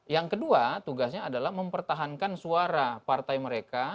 yang kedua tugasnya adalah mempertahankan suara partai mereka